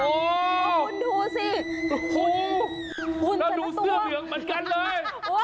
โอ้โหคุณดูสิโอ้โหแล้วดูเสื้อเหลืองเหมือนกันเลย